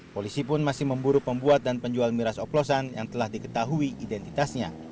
polisi pun masih memburu pembuat dan penjual miras oplosan yang telah diketahui identitasnya